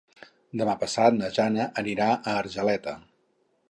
Demà passat na Jana anirà a Argeleta.